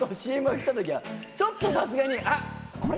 ちょっとさすがに「あっ！」。